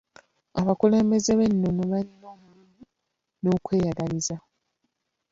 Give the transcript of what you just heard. Abakulembeze b'ennono balina omululu n'okweyagaliza.